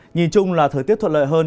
nhìn chung là thời tiết thuận lợi hơn